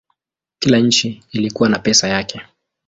Kila nchi ilikuwa na pesa yake.